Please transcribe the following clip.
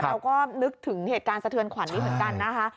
เราก็นึกถึงเหตุการณ์สะเทือนขวัญนี้เหมือนกันนะคะ